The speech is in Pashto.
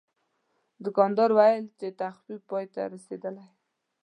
دوکاندار وویل چې تخفیف پای ته رسیدلی.